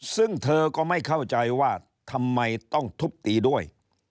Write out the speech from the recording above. ซึ่งเธอก็ไม่เข้าใจว่าทำไมต้องทุบตีด้วย